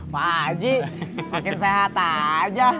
pak haji makin sehat aja